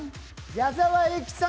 矢沢永吉さん？